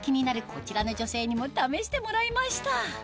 こちらの女性にも試してもらいました